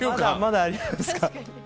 まだありますか？